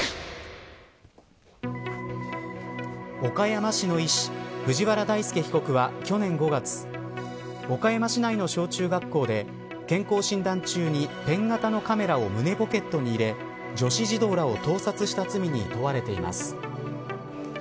岡山市の医師藤原大輔被告は、去年５月岡山市内の小中学校で健康診断中にペン型のカメラを胸ポケットに入れ女子児童らを盗撮した罪に問われています。